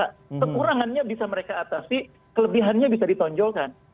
dan kekurangannya bisa mereka atasi kelebihannya bisa ditonjolkan